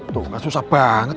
tuh kan susah banget